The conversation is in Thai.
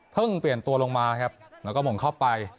เปลี่ยนตัวลงมาครับแล้วก็หม่งเข้าไป